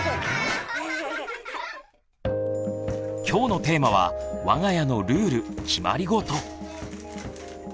今日のテーマは「わが家のルール・決まりごと」。